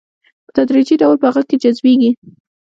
په تدريجي ډول په هغه کې جذبيږي.